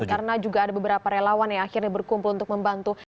karena juga ada beberapa relawan yang akhirnya berkumpul untuk membantu